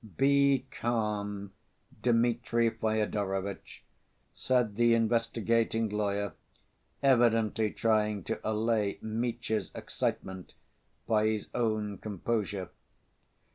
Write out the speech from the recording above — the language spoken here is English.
"Be calm, Dmitri Fyodorovitch," said the investigating lawyer evidently trying to allay Mitya's excitement by his own composure.